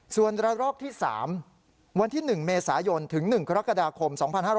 ส่วนระลอกที่๓วันที่๑เมษายนถึง๑กรกฎาคม๒๕๕๙